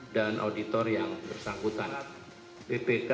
dan juga untuk menemukan kesempatan untuk memperbaiki perusahaan yang lebih keras